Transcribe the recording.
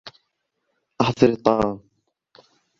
أحضر الطعام.